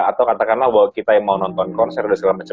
atau katakanlah bahwa kita yang mau nonton konser dan segala macam